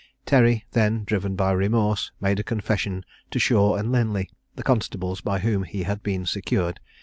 Terry then, driven by remorse, made a confession to Shaw and Linley, the constables by whom he had been secured.